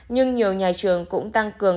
nhưng nhiều nhà trường cũng tăng cường